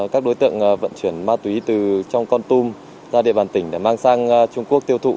các đối tượng vận chuyển ma túy từ trong con tum ra địa bàn tỉnh để mang sang trung quốc tiêu thụ